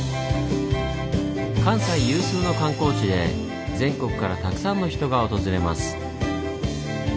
関西有数の観光地で全国からたくさんの人が訪れます。